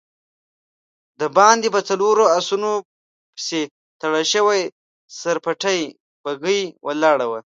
د باندی په څلورو آسونو پسې تړل شوې سر پټې بګۍ ولاړه وه.